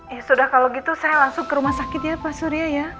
ya sudah kalau gitu saya langsung ke rumah sakit ya pak surya ya